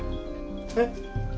えっ？